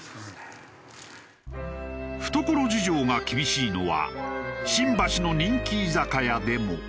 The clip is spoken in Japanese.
懐事情が厳しいのは新橋の人気居酒屋でも。